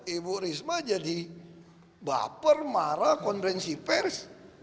ibu risma jadi baper marah konferensi pers